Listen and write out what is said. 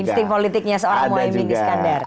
insting politiknya seorang mau mimpi niskan dar